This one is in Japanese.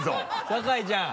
酒井ちゃん！